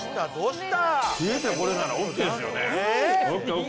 冷えてこれならＯＫですよね、ＯＫ、ＯＫ。